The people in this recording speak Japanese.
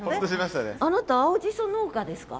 あなた青じそ農家ですか？